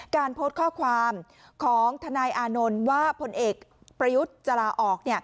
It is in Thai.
การโพสต์ข้อความของทนายอานนท์ว่าผลเอกประยุทธ์จะลาออก